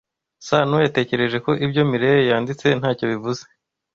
Sanoyatekereje ko ibyo Mirelle yanditse ntacyo bivuze.